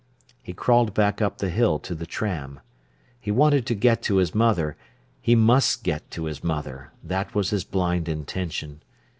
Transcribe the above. He crawled back up the hill to the tram. He wanted to get to his mother—he must get to his mother—that was his blind intention.